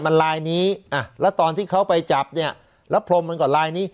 มันลายนี้แล้วตอนที่เขาไปจับเนี่ยแล้วพรมมันก็ลายนี้